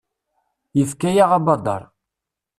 Yefka-yaɣ abadaṛ.